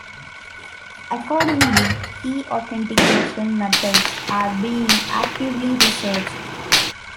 Accordingly, key authentication methods are being actively researched.